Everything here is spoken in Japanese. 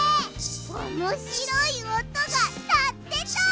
おもしろいおとがなってた！